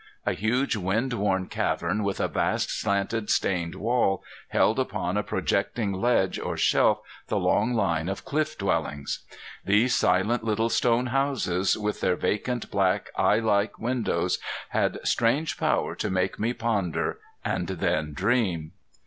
A huge wind worn cavern with a vast slanted stained wall held upon a projecting ledge or shelf the long line of cliff dwellings. These silent little stone houses with their vacant black eye like windows had strange power to make me ponder, and then dream.